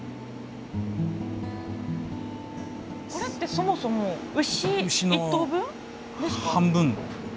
これってそもそも牛１頭分ですか？